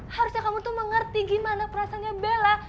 harusnya kamu tuh mengerti gimana perasaannya bella